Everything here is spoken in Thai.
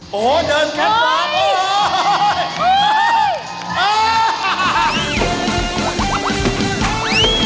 โหเดินแค่นี้